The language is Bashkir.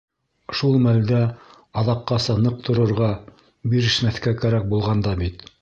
Шул мәлдә аҙаҡҡаса ныҡ торорға, бирешмәҫкә кәрәк булған да бит.